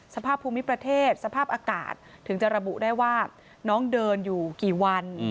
สภาพภูมิประเทศสภาพอากาศถึงจะระบุได้ว่าน้องเดินอยู่กี่วัน